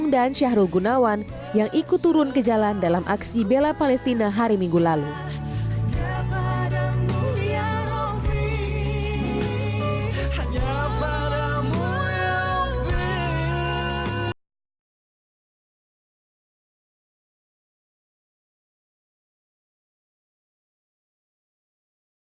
dan menuju ke tempat yang lebih luas